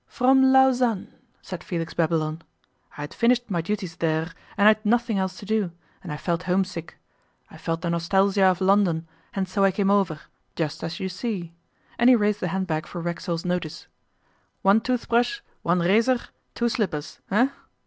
'From Lausanne,' said Felix Babylon. 'I had finished my duties there, I had nothing else to do, and I felt homesick. I felt the nostalgia of London, and so I came over, just as you see,' and he raised the handbag for Racksole's notice. 'One toothbrush, one razor, two slippers, eh?